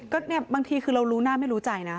ใช่บางทีเรารู้หน้าไม่รู้ใจนะ